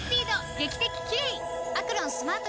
劇的キレイ！